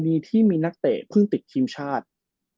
ตอนนี้ที่มีนักแต่เพิ่งติดทีมชาติ